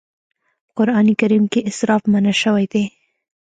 په قرآن کريم کې اسراف منع شوی دی.